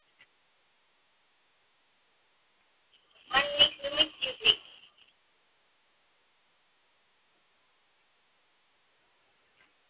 Manniqsuŋitchusik.